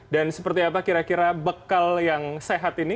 dan seperti apa kira kira bekal yang sehat ini